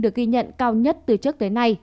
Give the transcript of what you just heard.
được ghi nhận cao nhất từ trước tới nay